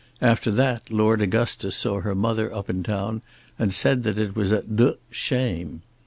After that Lord Augustus saw her mother up in town and said that it was a d shame.